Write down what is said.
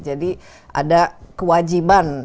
jadi ada kewajiban